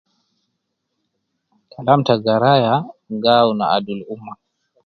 Kalam ta garaya gi awun ma adul umma